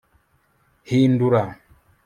hindura